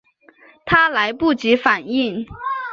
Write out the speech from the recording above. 她来不及反应